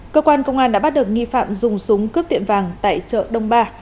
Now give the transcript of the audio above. cơ quan công an đã bắt được nghi phạm dùng súng cướp tiệm vàng tại chợ đông ba